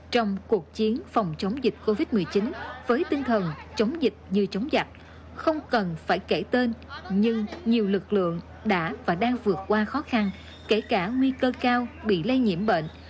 trong cuộc chiến phòng chống dịch covid một mươi chín với tinh thần chống dịch như chống giặc không cần phải kể tên nhưng nhiều lực lượng đã và đang vượt qua khó khăn kể cả nguy cơ cao bị lây nhiễm bệnh